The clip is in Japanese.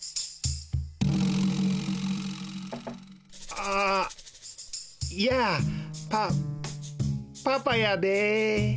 あやあパパパやで。